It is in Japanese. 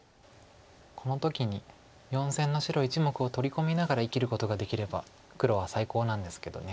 この時に４線の白１目を取り込みながら生きることができれば黒は最高なんですけど。